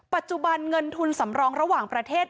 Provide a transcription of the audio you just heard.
ปัจจุบันเงินทุนสำรองระหว่างประเทศ